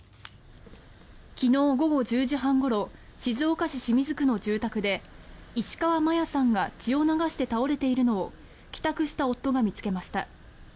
昨日午後１０時半ごろ静岡市清水区の住宅で石川真矢さんが血を流して倒れているのを帰宅した夫が見つけました。